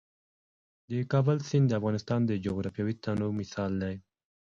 د کابل سیند د افغانستان د جغرافیوي تنوع مثال دی.